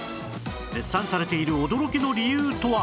絶賛されている驚きの理由とは？